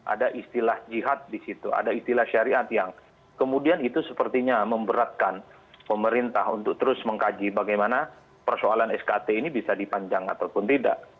ada istilah jihad di situ ada istilah syariat yang kemudian itu sepertinya memberatkan pemerintah untuk terus mengkaji bagaimana persoalan skt ini bisa dipanjang ataupun tidak